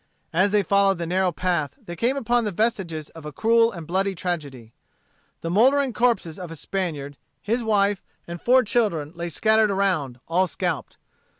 As they followed the narrow path they came upon the vestiges of a cruel and bloody tragedy. The mouldering corpses of a Spaniard, his wife, and four children lay scattered around, all scalped.